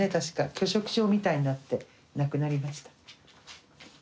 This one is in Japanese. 拒食症みたいになって亡くなりました。